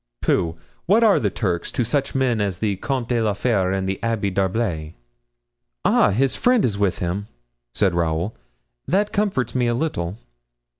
"Pooh! what are the Turks to such men as the Comte de la Fere and the Abbé d'Herblay?" "Ah, his friend is with him?" said Raoul. "That comforts me a little."